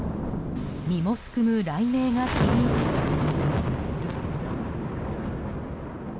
身もすくむ雷鳴が響いています。